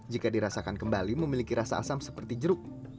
jika dirasakan kembali memiliki rasa asam seperti jeruk